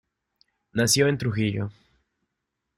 Nació en Trujillo.